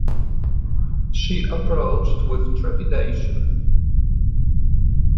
She approached with trepidation